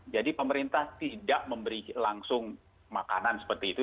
jadi pemerintah tidak memberi langsung makanan seperti itu